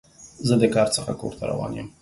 زه د کار څخه کور ته روان یم.